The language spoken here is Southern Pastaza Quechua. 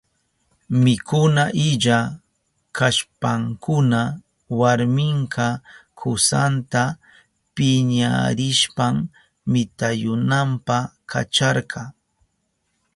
Mikuna illa kashpankuna warminka kusanta piñarishpan mitayunanpa kacharka.